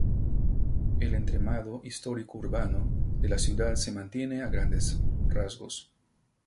El entramado histórico urbano de la ciudad se mantiene a grandes rasgos.